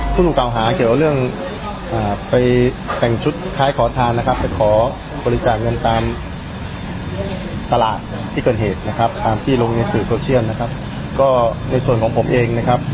ผู้ถูกเก่าหาเกี่ยวกับเรื่องไปแต่งชุดคล้ายขอทานนะครับไปขอบริจาคเงินตามตลาดที่เกิดเหตุนะครับตามที่ลงในสื่อโซเชียลนะครับก็ในส่วนของผมเองนะครับ